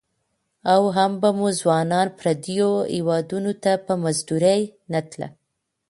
او هم به مو ځوانان پرديو هيوادنو ته په مزدورۍ نه تلى.